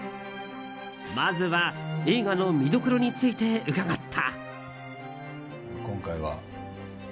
まずは映画の見どころについて伺った。